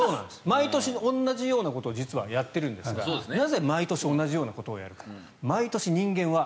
毎年、同じようなことを実はやっているんですがなぜ毎年同じようなことをやるか。